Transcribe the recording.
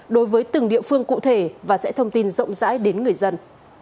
đối với từng địa phương cụ thể và sẽ thông tin rộng rãi đến người dân